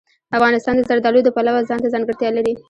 افغانستان د زردالو د پلوه ځانته ځانګړتیا لري.